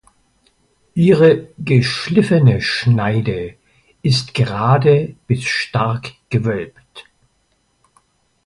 Ihre geschliffene Schneide ist gerade bis stark gewölbt.